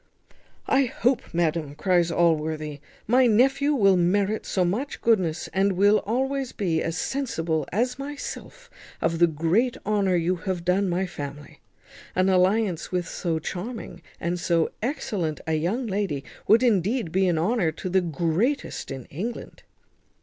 "I hope, madam," cries Allworthy, "my nephew will merit so much goodness, and will be always as sensible as myself of the great honour you have done my family. An alliance with so charming and so excellent a young lady would indeed be an honour to the greatest in England."